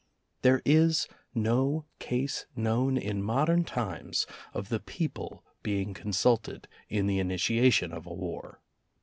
There is no case known in modern times of the people being consulted in the initia tion of a war.